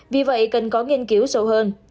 vì vậy cần có nghiên cứu sâu hơn